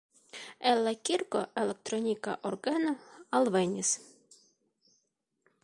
En la kirko elektronika orgeno alvenis.